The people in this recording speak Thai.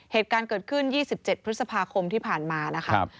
เหตุการณ์เกิดขึ้น๒๗พฤษภาคมที่ผ่านมานะครับ